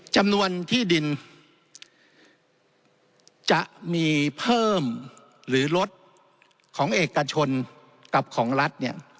จำนวนที่ดินจะมีเพิ่มหรือลดของเอกชนกับของรัฐเนี่ย